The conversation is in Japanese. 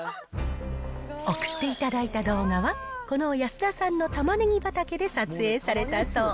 送っていただいた動画は、この安田さんの玉ねぎ畑で撮影されたそう。